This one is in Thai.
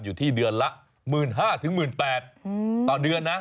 อยู่ที่เดือนละ๑๕๐๐๑๘๐๐ต่อเดือนนะ